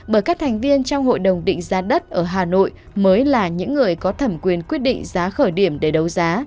bởi các thành viên trong hội đồng định giá đất ở hà nội mới là những người có thẩm quyền quyết định giá khởi điểm để đấu giá